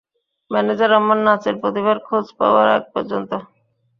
Manager আমার নাচের প্রতিভার খোঁজ পাবার আগ পর্যন্ত।